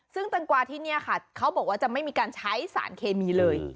ซึ่งแตงกวาที่นี่ค่ะเขาบอกว่าจะไม่มีการใช้สารเคมีเลย